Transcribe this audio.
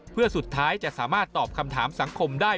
เพื่อสุดท้ายจะสามารถตอบคำถามสังคมได้